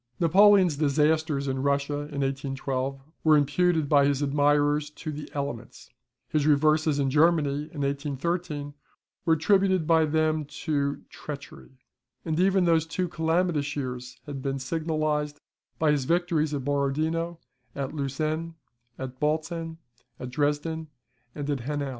Napoleon's disasters in Russia, in 1812, were imputed by his admirers to the elements; his reverses in Germany, in 1813, were attributed by them to treachery: and even those two calamitous years had been signalised by his victories at Borodino, at Lutzen, at Bautzen, at Dresden, and at Hanau.